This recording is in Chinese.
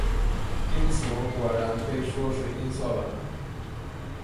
因此我果然被说是音色了呢。